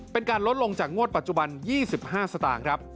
เป็นการลดลงจากงวดปัจจุบัน๒๕สตางค์ครับ